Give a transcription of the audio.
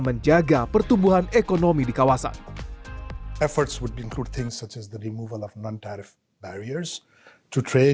memperbaiki konektivitas regional adalah area lain